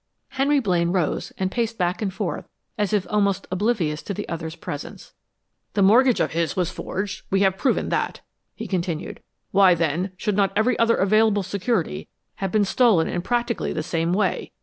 Henry Blaine rose and paced back and forth as if almost oblivious of the other's presence. "The mortgage of his was forged we have proved that," he continued. "Why, then, should not every other available security have been stolen in practically the same way?"